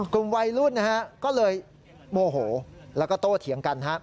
กลุ่มวัยรุ่นก็เลยโมโหแล้วก็โตเถียงกัน